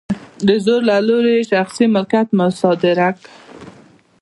د زور له لارې یې شخصي مالکیت مصادره کړ.